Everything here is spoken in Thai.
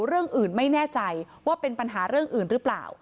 เรื่องอื่นไม่แน่ใจว่าเป็นปัญหาเรื่องอื่นหรือเปล่า